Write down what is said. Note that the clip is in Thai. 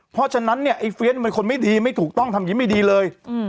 เพราะฉะนั้นเนี่ยไอ้เฟียสมันคนไม่ดีไม่ถูกต้องทำอย่างนี้ไม่ดีเลย